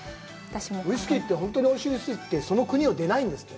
ウイスキーって本当においしいのはその国を出ないんですって。